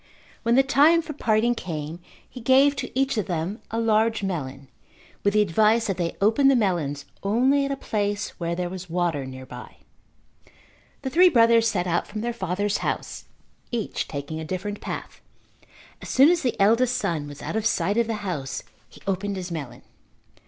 When the time for parting came he gave to each of them a large melon with the advice that they open the melons only at a place where there was water nearby. The three brothers set out from their father's house, each taking a different path. As soon as the eldest son was out of sight of the house he opened his melon.